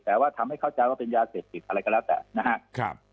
แต่ว่าทำให้เข้าใจว่าเป็นยาเสพติดอะไรก็แล้วแต่นะครับ